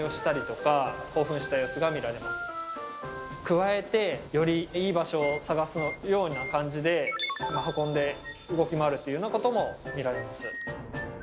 くわえて、よりいい場所を探すような感じで運んで動き回るっていうようなことも見られます。